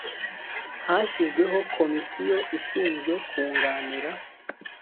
hashyizweho komisiyo ishinzwe kunganira